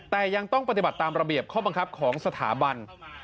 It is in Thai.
แต่ยังต้องปฏิบัติตามระเบียบข้อบังคับของสถาบัน